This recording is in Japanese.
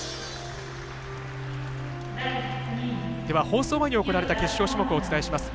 放送前に行われた決勝種目をお伝えします。